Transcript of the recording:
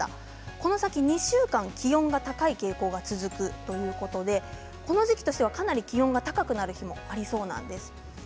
この先２週間、気温が高い傾向が続くということでこの時期としてはかなり気温が高くなる日もありそうです。